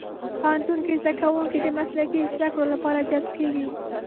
پوهنتون کې زدهکوونکي د مسلکي زدهکړو لپاره جذب کېږي.